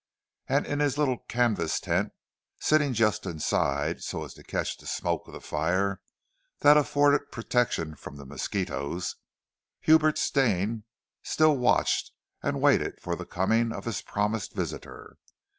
And in his little canvas tent, sitting just inside, so as to catch the smoke of the fire that afforded protection from the mosquitoes, Hubert Stane still watched and waited for the coming of his promised visitor.